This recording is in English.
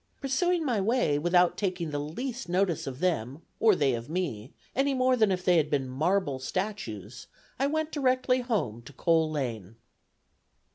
Pursuing my way, without taking the least notice of them, or they of me, any more than if they had been marble statues, I went directly home to Cole Lane."